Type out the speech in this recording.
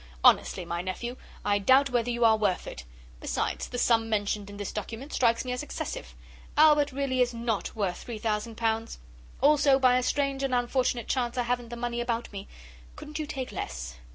Honestly, my nephew, I doubt whether you are worth it. Besides, the sum mentioned in this document strikes me as excessive: Albert really is not worth three thousand pounds. Also by a strange and unfortunate chance I haven't the money about me. Couldn't you take less?